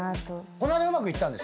この間うまくいったっけ？